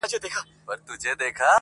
o نور خپلي ويني ته شعرونه ليكو.